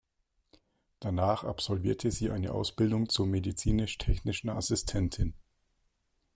Danach absolvierte sie eine Ausbildung zur medizinisch-technischen Assistentin.